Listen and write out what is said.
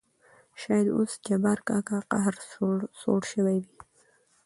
شاېد اوس جبار کاکا قهر سوړ شوى وي.